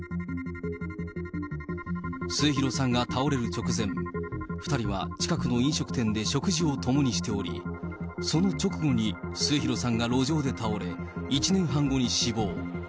末広さんが倒れる直前、２人は近くの飲食店で食事を共にしており、その直後に末広さんが路上で倒れ、１年半後に死亡。